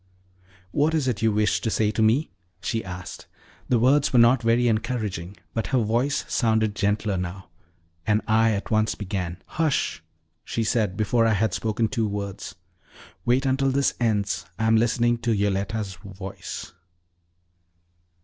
"What is it you wish to say to me?" she asked. The words were not very encouraging, but her voice sounded gentler now, and I at once began. "Hush," she said, before I had spoken two words. "Wait until this ends I am listening to Yoletta's voice."